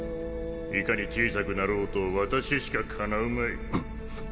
いかに小さくなろうと私しかかなうまい。